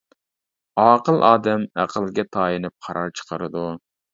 ئاقىل ئادەم ئەقىلگە تايىنىپ قارار چىقىرىدۇ.